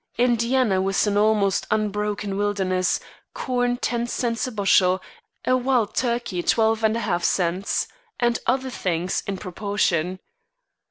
Indiana was an almost unbroken wilderness: corn ten cents a bushel, a wild turkey twelve and half cents, and other things in proportion.